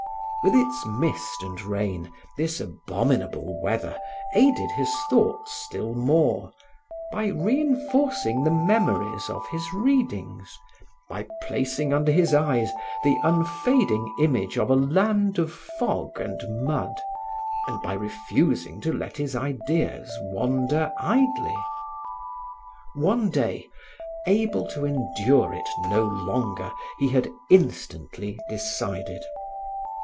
With its mist and rain, this abominable weather aided his thoughts still more, by reinforcing the memories of his readings, by placing under his eyes the unfading image of a land of fog and mud, and by refusing to let his ideas wander idly. One day, able to endure it no longer, he had instantly decided.